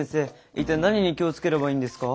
一体何に気を付ければいいんですか？